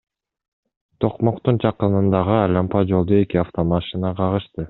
Токмоктун жакынындагы айлампа жолдо эки автомашина кагышты.